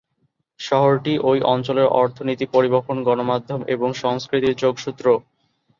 শহরটি ওই অঞ্চলের অর্থনীতি, পরিবহন, গণমাধ্যম এবং সংস্কৃতির যোগসূত্র।